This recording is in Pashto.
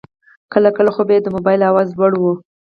کله کله خو به یې د موبایل آواز لوړ و.